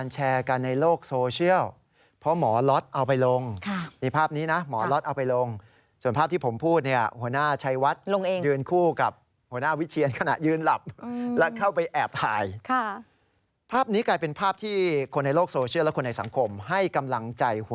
เจ้าสัวเปรมชัยพร้อมพวกเนี่ยเข้าป่าใช่ไหมค่ะวันที่สี่บ่ายสองหัวหน้าวิทเชียรนำทีมเข้าไปจับกลุ่มใช่ค่ะ